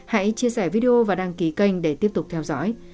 hãy chia sẻ video và đăng ký kênh để tiếp tục theo dõi